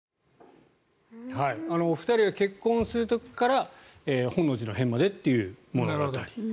お二人が結婚する時から本能寺の変までという物語。